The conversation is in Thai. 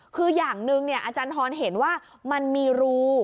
คืออย่างหนึ่งอาจารย์ฮอนเห็นว่ามันมีรู